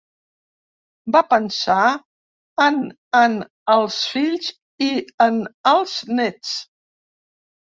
Va pensar en en els fills i en els nets.